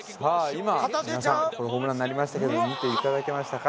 今皆さんホームランになりましたけど見ていただけましたか？